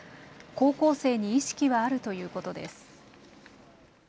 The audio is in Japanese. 高校生に意識はあるということです。